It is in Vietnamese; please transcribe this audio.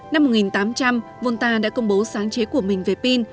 năm một nghìn tám trăm linh volta đã công bố sáng chế của mình về pin